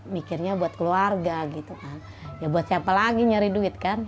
mikirnya buat keluarga gitu kan ya buat siapa lagi nyari duit kan